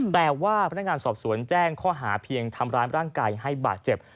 แต่พนักงานสอบศรัทธิ์แจ้งเขาหาเพียงทำร้ายร่างกายให้บาดเจ็บ